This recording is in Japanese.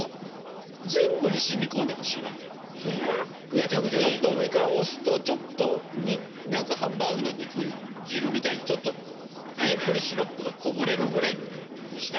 で上からちょっと押すとちょっとハンバーグの肉汁みたいにちょっとメープルシロップがこぼれるぐらいにしたいわけ。